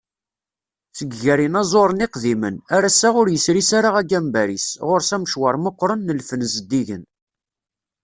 Seg gar yinaẓuren iqdimen, ar ass-a ur yesris ara agambar-is, ɣur-s amecwar meqqren n lfen zeddigen.